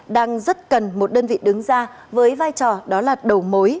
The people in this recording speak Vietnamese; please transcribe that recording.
đang rất cần một đơn vị đứng ra với vai trò đó là đầu mối